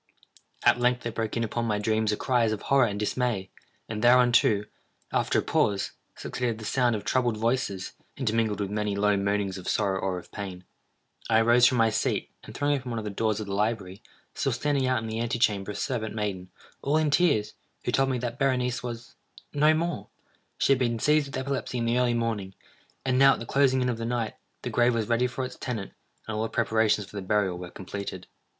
At length there broke in upon my dreams a cry as of horror and dismay; and thereunto, after a pause, succeeded the sound of troubled voices, intermingled with many low moanings of sorrow or of pain. I arose from my seat, and throwing open one of the doors of the library, saw standing out in the ante chamber a servant maiden, all in tears, who told me that Berenice was—no more! She had been seized with epilepsy in the early morning, and now, at the closing in of the night, the grave was ready for its tenant, and all the preparations for the burial were completed.